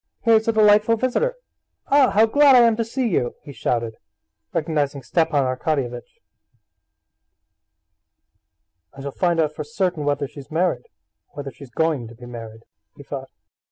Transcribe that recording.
"Here's a delightful visitor! Ah, how glad I am to see you!" he shouted, recognizing Stepan Arkadyevitch. "I shall find out for certain whether she's married, or when she's going to be married," he thought.